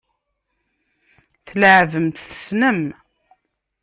Tleεεbem-tt tessnem.